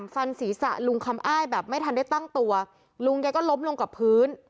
ฟันศีรษะลุงคำอ้ายแบบไม่ทันได้ตั้งตัวลุงแกก็ล้มลงกับพื้น